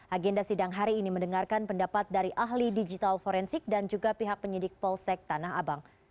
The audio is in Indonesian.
agenda sidang hari ini mendengarkan pendapat dari ahli digital forensik dan juga pihak penyidik polsek tanah abang